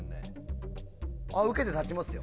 受けて立ちますよ。